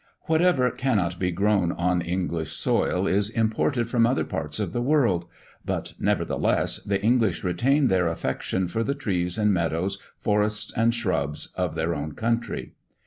Whatever cannot be grown on English soil is imported from other parts of the world; but, nevertheless, the English retain their affection for the trees and meadows, forests and shrubs of their own country.